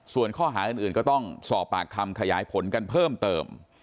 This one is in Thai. ส่วนข้อหาอื่นก็ต้องสอบปากคำขยายผลกันเพิ่มเติม